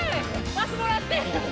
パスもらって！